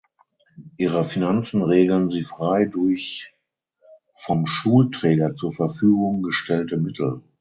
Ihre Finanzen regeln sie frei durch vom Schulträger zur Verfügung gestellte Mittel.